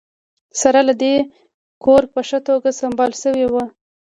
سره له دې کور په ښه توګه سمبال شوی و